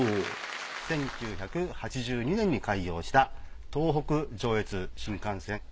１９８２年に開業した東北上越新幹線